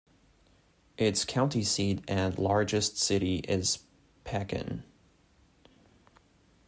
Its county seat and largest city is Pekin.